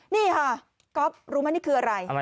นี่ค่ะก๊อฟรู้ไหมนี่คืออะไร